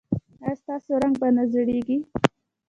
ایا ستاسو رنګ به نه زیړیږي؟